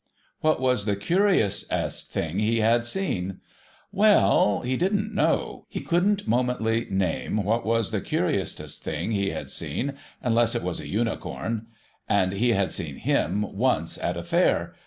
What was the curiousest thing he had seen ? Well ! He didn't know. He couldn't momently name what was the curiousest thing he had seen, — unless it was a Unicorn,^ — and he see /lim once at a Fair.